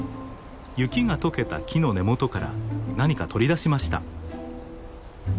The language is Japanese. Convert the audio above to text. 雪が解けた木の根元から何か取り出しました。